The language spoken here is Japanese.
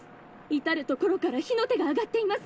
至る所から火の手が上がっています。